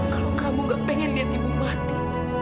kalau kamu gak pengen lihat ibu mati